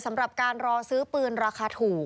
สำหรับการรอซื้อปืนราคาถูก